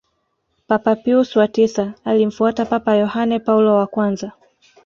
papa pius wa tisa alimfuata Papa yohane paulo wa kwanza